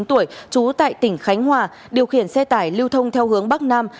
ba mươi chín tuổi trú tại tỉnh khánh hòa điều khiển xe tải lưu thông theo hướng bắc nam